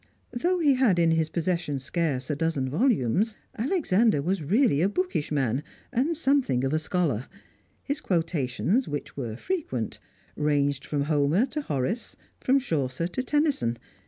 Though he had in his possession scarce a dozen volumes, Alexander was really a bookish man and something of a scholar; his quotations, which were frequent, ranged from Homer to Horace, from Chaucer to Tennyson.